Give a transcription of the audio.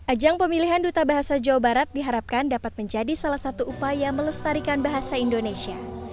ajang pemilihan duta bahasa jawa barat diharapkan dapat menjadi salah satu upaya melestarikan bahasa indonesia